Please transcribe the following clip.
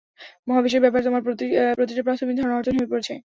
মহাবিশ্বের ব্যাপারে তোমার প্রতিটা প্রাথমিক ধারণা অর্থহীন হয়ে পড়েছে।